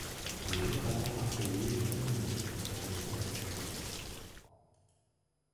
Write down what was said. Il est généralement appelé Gamonéu dans les Asturies.